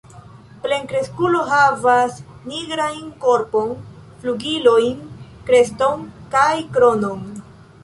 Plenkreskulo havas nigrajn korpon, flugilojn, kreston kaj kronon.